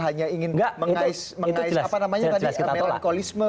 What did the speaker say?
hanya ingin mengais melankolisme